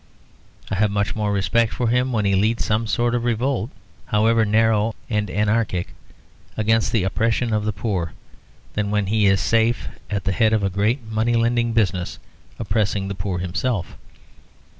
I have more respect for him when he leads some sort of revolt, however narrow and anarchic, against the oppression of the poor, than when he is safe at the head of a great money lending business oppressing the poor himself.